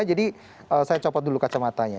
jadi saya copot dulu kacamatanya